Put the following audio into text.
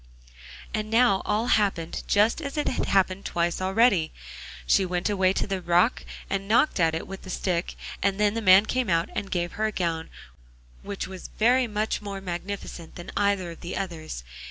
And now all happened just as it had happened twice already. She went away to the rock and knocked at it with the stick, and then the man came out and gave her a gown which was very much more magnificent than either of the others.